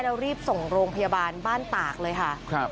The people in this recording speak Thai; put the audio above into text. แล้วรีบส่งโรงพยาบาลบ้านตากเลยค่ะครับ